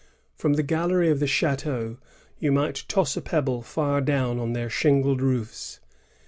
^ From the gallery of the chSteau, you might toss a pebble far down on their shingled roofs.